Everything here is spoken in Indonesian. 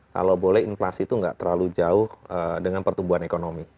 kalau boleh inflasi itu nggak terlalu jauh dengan pertumbuhan ekonomi